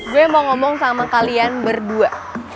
gue mau ngomong sama kalian berdua